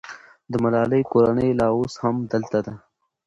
د ملالۍ کورنۍ لا اوس هم هلته ده.